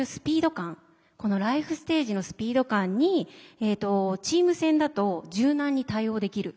このライフステージのスピード感にチーム戦だと柔軟に対応できる。